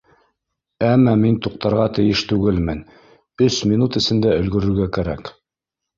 Әммә мин туҡтарға тейеш түгелмен, өс минут эсендә өлгөрөргә кәрәк.